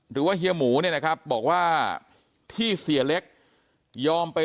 เฮียหมูเนี่ยนะครับบอกว่าที่เสียเล็กยอมไป